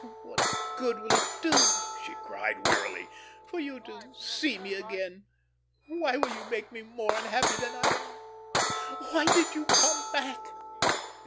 "Oh, what good will it do," she cried, wearily, "for you to see me again? Why will you make me more unhappy than I am? Why did you come back?"